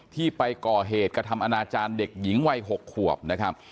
ที่ไปก่อเหตุกระทำอนาจารย์เด็กหญิงวัย๖ขวบนะครับ